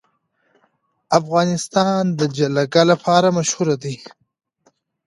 افغانستان د جلګه لپاره مشهور دی.